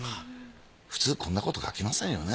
普通こんなこと書きませんよね。